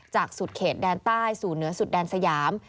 สุดเขตแดนใต้สู่เหนือสุดแดนสยาม